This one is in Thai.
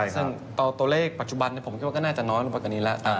ซึ่งตัวเลขปัจจุบันผมคิดว่าก็น่าจะน้อยลงไปกว่านี้แล้ว